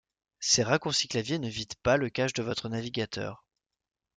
Ces raccourcis clavier ne vident pas le cache de votre navigateur.